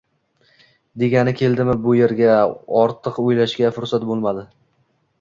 degani keldimi bu yerga? Ortiq o'ylashga fursat bo'lmadi.